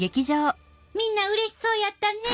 みんなうれしそうやったね！